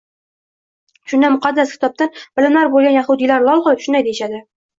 Shunda muqaddas kitobdan bilimlari bo‘lgan yahudiylar lol qolib, shunday deyishadi: